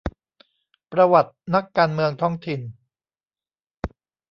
ประวัตินักการเมืองท้องถิ่น